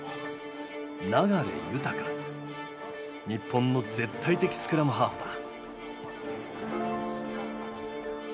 日本の絶対的スクラムハーフだ。